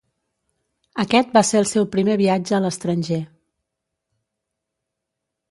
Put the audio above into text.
Aquest va ser el seu primer viatge a l'estranger.